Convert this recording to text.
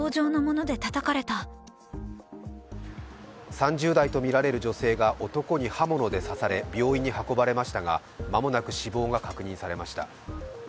３０代とみられる女性が男に刃物で刺され、病院に運ばれましたが間もなく死亡が確認されました。